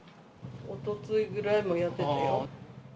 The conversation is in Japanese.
おとついぐらいもやってたよ。